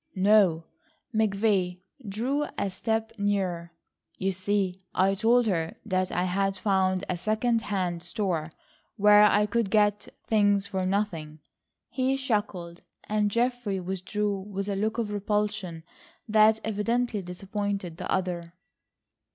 "No!" McVay drew a step nearer. "You see I told her that I had found a second hand store where I could get things for nothing." He chuckled, and Geoffrey withdrew with a look of repulsion that evidently disappointed the other.